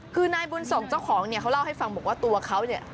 คือนายบุญส่งเจ้าของเนี่ยเขาเล่าให้ฟังบอกว่าตัวเขาเนี่ย